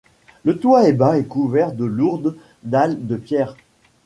Le toit est bas et couvert de lourdes dalles de pierre.